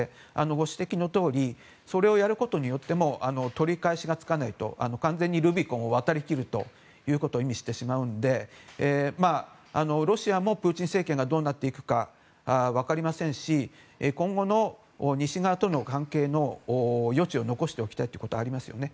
ご指摘のとおりそれをやることによって取り返しがつかないと完全にルビコンを渡りきるということを意味してしまうのでロシアもプーチン政権がどうなっていくか分かりませんし今後の西側との関係の余地を残しておきたいということはありますよね。